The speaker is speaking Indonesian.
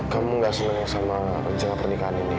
kamu gak senang sama rencana pernikahan ini